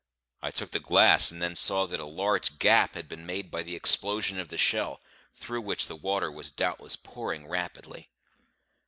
I took the glass, and then saw that a large gap had been made by the explosion of the shell, through which the water was doubtless pouring rapidly.